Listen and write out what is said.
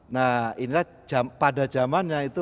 nah inilah pada zamannya itu